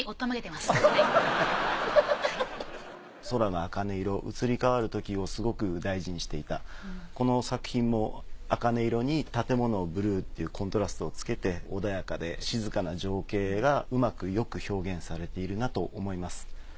空のあかね色移り変わるときをすごく大事にしていたこの作品もあかね色に建物のブルーっていうコントラストをつけて穏やかで静かな情景がうまくよく表現されているなと思います。